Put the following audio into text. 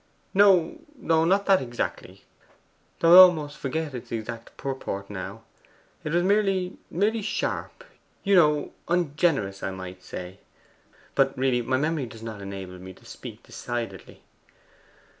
'No, no; not that exactly though I almost forget its exact purport now. It was merely merely sharp, you know ungenerous, I might say. But really my memory does not enable me to speak decidedly.